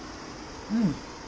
うん。